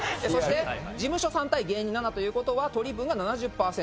事務所３芸人７ということは取り分が７０％。